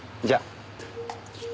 じゃあ。